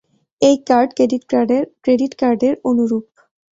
এই card credit কার্ডের অনুরূপ।